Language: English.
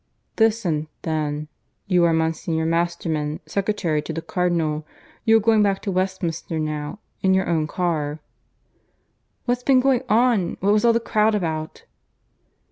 "Listen then. You are Monsignor Masterman, secretary to the Cardinal. You are going back to Westminster now, in your own car " "What's been going on? What was all that crowd about?"